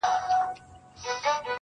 • لا به دي غوغا د حسن پورته سي کشمیره..